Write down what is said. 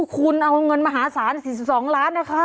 คุณเอาเงินมหาศาล๔๒ล้านนะคะ